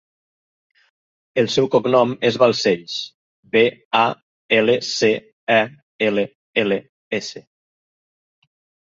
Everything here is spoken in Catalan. El seu cognom és Balcells: be, a, ela, ce, e, ela, ela, essa.